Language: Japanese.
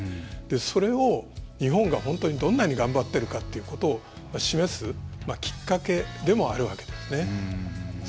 それを日本が本当にどれだけ頑張っているかを示す、きっかけでもあるわけです。